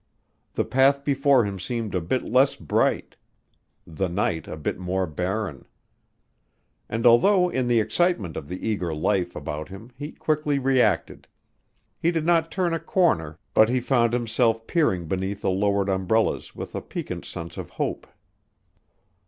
The path before him seemed a bit less bright, the night a bit more barren. And although in the excitement of the eager life about him he quickly reacted, he did not turn a corner but he found himself peering beneath the lowered umbrellas with a piquant sense of hope.